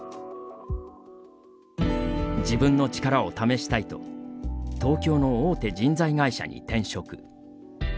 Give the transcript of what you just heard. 自分の力を試したいと東京の大手人材会社に転職。